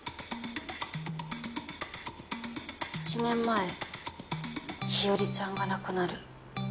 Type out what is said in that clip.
１年前日和ちゃんが亡くなる。